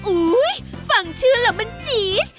อุ๊ยฟังชื่อเหรอมันจี๊ด